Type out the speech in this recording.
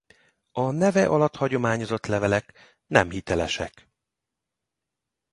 A neve alatt hagyományozott levelek nem hitelesek.